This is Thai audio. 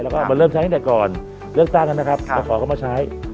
แล้วก็มันเริ่มใช้ตั้งแต่ก่อนเลือกตั้งแล้วนะครับจะขอเข้ามาใช้